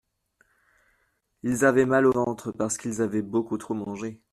Ils avaient mal au ventre parce qu’ils avaient beaucoup trop mangé.